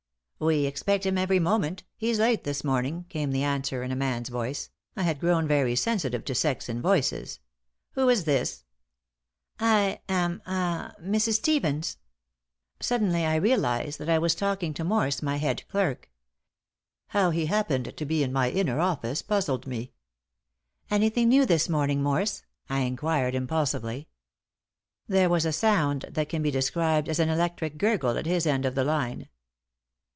"We expect him every moment. He's late this morning," came the answer in a man's voice, (I had grown very sensitive to sex in voices.) "Who is this?" "I am ah Mrs. Stevens." Suddenly, I realized that I was talking to Morse, my head clerk. How he happened to be in my inner office puzzled me. "Anything new this morning, Morse?" I inquired, impulsively. There was a sound that can be described as an electric gurgle at his end of the line.